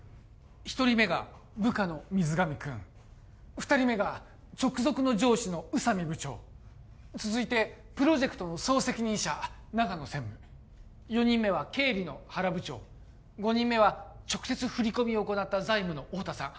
一人目が部下の水上くん二人目が直属の上司の宇佐美部長続いてプロジェクトの総責任者長野専務４人目は経理の原部長５人目は直接振り込みを行った財務の太田さん